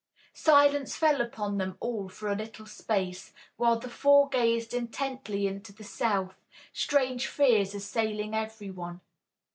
Silence fell upon them all for a little space, while the four gazed intently into the south, strange fears assailing everyone.